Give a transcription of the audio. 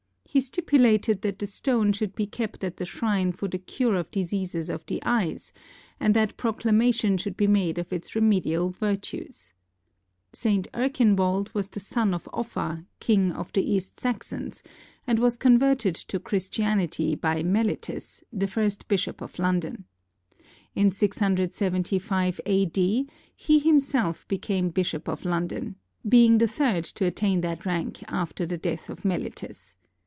He stipulated that the stone should be kept at the shrine for the cure of diseases of the eyes, and that proclamation should be made of its remedial virtues. St. Erkinwald was the son of Offa, King of the East Saxons, and was converted to Christianity by Melittus, the first bishop of London. In 675 A.D. he himself became bishop of London, being the third to attain that rank after the death of Melittus.